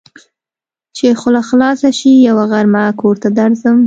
چې خوله خلاصه شي؛ يوه غرمه کور ته درځم.